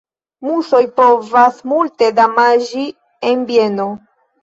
Musoj povas multe damaĝi en bieno.